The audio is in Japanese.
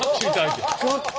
ちょっと！